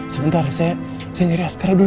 sebentar saya nyari asgara dulu